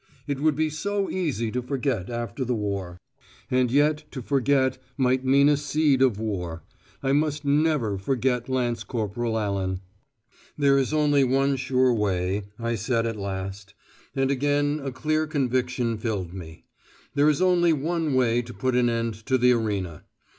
It would be so easy to forget, after the war. And yet to forget might mean a seed of war. I must never forget Lance Corporal Allan. There is only one sure way, I said at last. And again a clear conviction filled me. There is only one way to put an end to the arena.